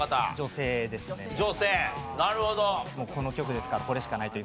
この局ですからこれしかないと。